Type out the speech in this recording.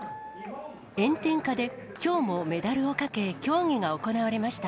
炎天下で、きょうもメダルをかけ、競技が行われました。